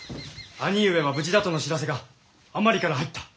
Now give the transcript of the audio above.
兄上は無事だとの知らせが甘利から入った。